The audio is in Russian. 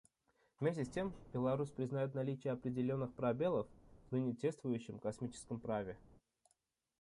Вместе с тем, Беларусь признает наличие определенных пробелов в ныне действующем космическом праве.